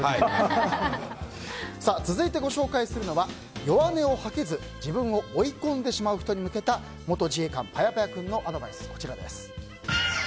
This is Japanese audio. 続いてご紹介するのは弱音を吐けず自分を追い込んでしまう人に向けた元自衛官のぱやぱやくんのアドバイスです。